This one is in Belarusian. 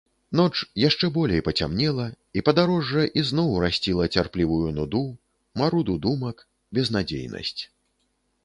Ноч яшчэ болей пацямнела, і падарожжа ізноў расціла цярплівую нуду, маруду думак, безнадзейнасць.